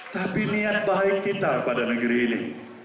tapi niat baik kita pada negeri ini